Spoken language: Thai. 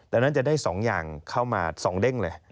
ดังนั้นจะได้๒อย่างเข้ามา๒เด้งเลย